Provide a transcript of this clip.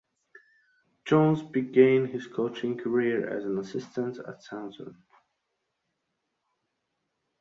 Jones began his coaching career as an assistant at Southern.